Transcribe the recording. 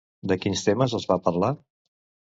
De quins temes els va parlar?